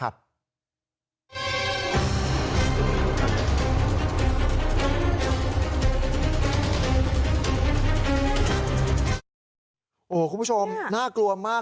คุณผู้ชมน่ากลัวมาก